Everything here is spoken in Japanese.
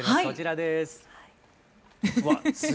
こちらです。